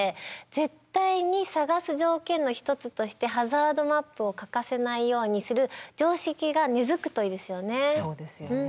絶対に探す条件の一つとしてハザードマップを欠かさないようにする常識が根づくといいですよね。